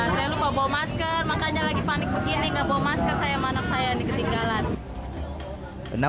saya lupa bawa masker makanya lagi panik begini nggak bawa masker saya sama anak saya yang diketinggalan